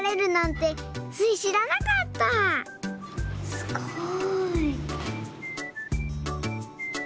すごい。